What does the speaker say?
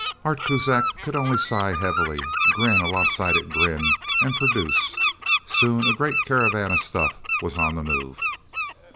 Art Kuzak could only sigh heavily, grin a lopsided grin, and produce. Soon a great caravan of stuff was on the move.